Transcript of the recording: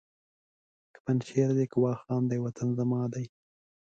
که پنجشېر دی که واخان دی وطن زما دی!